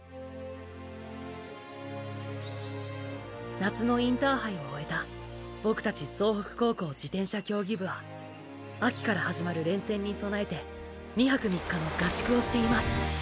夏のインターハイを終えたボクたち総北高校自転車競技部は秋から始まる連戦に備えて２泊３日の合宿をしています